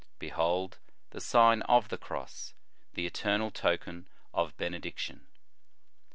Behold the Sign of the Cross, the eternal token of benediction